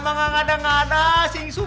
sumpah liat sendiri tuh